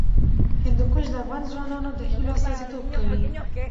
هندوکش د افغان ځوانانو د هیلو استازیتوب کوي.